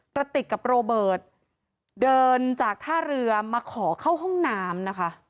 กระติกกับโรเบิร์ตเดินจากท่าเรือมาขอเข้าห้องน้ำนะคะ